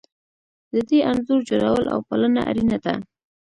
د دې انځور جوړول او پالنه اړینه ده.